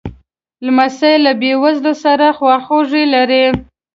لمسی له بېوزلو سره خواخوږي لري.